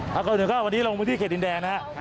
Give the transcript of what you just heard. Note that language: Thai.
ครับอาจารย์อาจารย์วันนี้ลงบุญที่เขตดินแดงนะฮะ